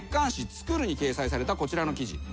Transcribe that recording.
『創』に掲載されたこちらの記事。